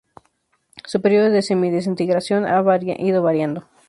Su periodo de semidesintegración ha ido variando.